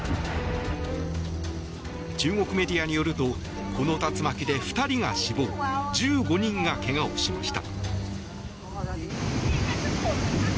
中国メディアによるとこの竜巻で２人が死亡１５人がけがをしました。